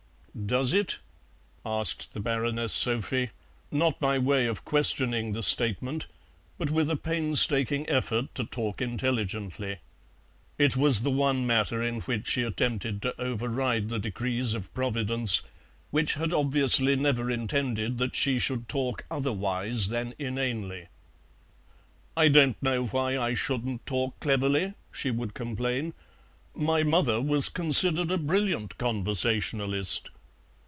"Does it?" asked the Baroness Sophie, not by way of questioning the statement, but with a painstaking effort to talk intelligently. It was the one matter in which she attempted to override the decrees of Providence, which had obviously never intended that she should talk otherwise than inanely. "I don't know why I shouldn't talk cleverly," she would complain; "my mother was considered a brilliant conversationalist."